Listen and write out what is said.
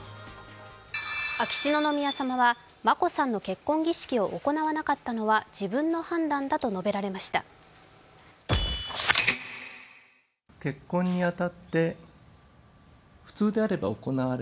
秋篠宮さまは眞子さんの結婚儀式を行わなかったのは自分の判断だと述べられました。